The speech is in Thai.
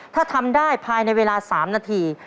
ถ้าทำได้ภายในเวลา๓นาที